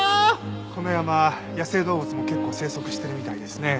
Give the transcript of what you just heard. この山野生動物も結構生息してるみたいですね。